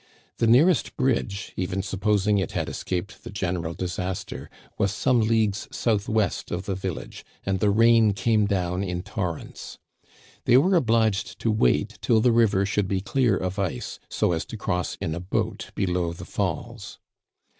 The nearest bridge, even supposing it had escaped the general disaster, was some leagues southwest of the vil lage, and the rain came down in torrents. They were obliged to wait till the river should be clear of ice, so as to cross in a boat below the falls.